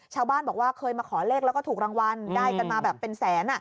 ชาวบ้านบอกว่าเคยมาขอเลขแล้วก็ถูกรางวัลได้กันมาแบบเป็นแสน